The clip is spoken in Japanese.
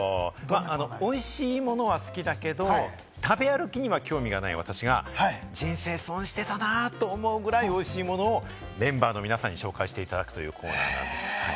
おいしいものは好きだけど、食べ歩きには興味がない私が人生損してたなぁと思うぐらいおいしいものを、メンバーの皆さんに紹介していただくというコーナーなんです。